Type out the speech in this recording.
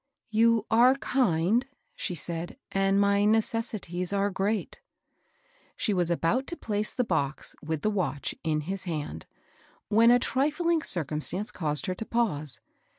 " You are kind," she said, " and my necessities are great." She was about to place the box, with the watch, in his hand, when a trifling circumstance caused her to pause.